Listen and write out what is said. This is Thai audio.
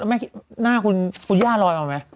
แล้วมันอยุ่งหน้าคุณคุณหญ้าร้อยเอาไหม